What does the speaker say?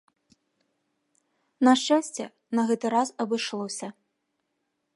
На шчасце, на гэты раз абышлося.